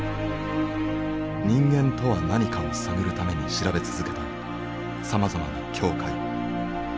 人間とは何かを探るために調べ続けたさまざまな境界。